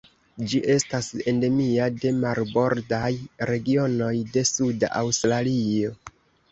Ĝi estas endemia de marbordaj regionoj de suda Aŭstralio.